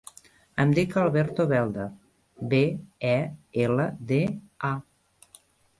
Em dic Alberto Belda: be, e, ela, de, a.